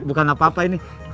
bukan apa apa ini